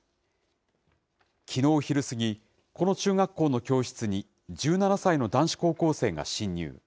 きのう昼過ぎ、この中学校の教室に１７歳の男子高校生が侵入。